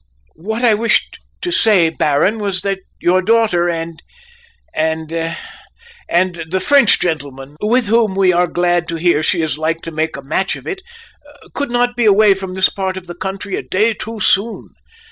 "What I wished to say, Baron, was that your daughter and and and the French gentleman, with whom we are glad to hear she is like to make a match of it, could not be away from this part of the country a day too soon.